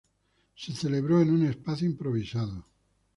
Se celebró en un espacio improvisado.